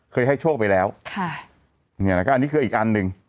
เคยให้โชคไปแล้วค่ะเนี้ยแล้วก็อันนี้คืออีกอันหนึ่ง